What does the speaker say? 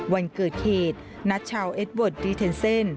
วันเกิดเหตุนัดชาวเอ็ดเวิร์ดรีเทนเซ่น